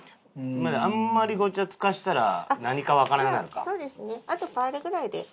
あんまりごちゃつかせたら何かわからんなるか。